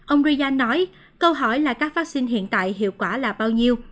ông riyaan nói câu hỏi là các vaccine hiện tại hiệu quả là bao nhiêu